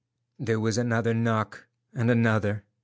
There was another knock, and another.